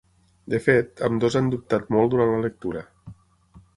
De fet, ambdós han dubtat molt durant la lectura.